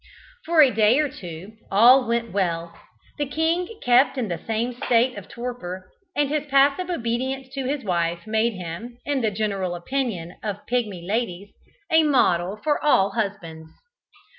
For a day or two all went well. The king kept in the same state of torpor, and his passive obedience to his wife made him, in the general opinion of Pigmy ladies, a model for all husbands.